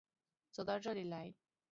走到这里来